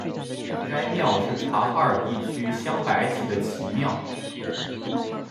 该庙是察哈尔地区镶白旗的旗庙。